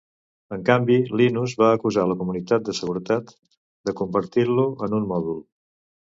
En canvi, Linus va acusar la comunitat de seguretat de "convertir-lo en un mòdul".